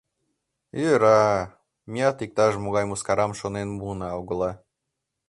Йӧра-а-а, меат иктаж-могай мыскарам шонен муына-огыла.